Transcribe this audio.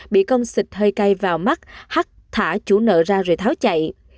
bị công xịt hơi cay vào mắt hát thả chủ nợ ra rồi tháo chạy